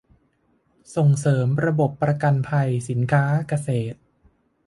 ส่งเสริมระบบประกันภัยสินค้าเกษตร